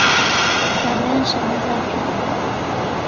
کابرایان شەرمەزار کرد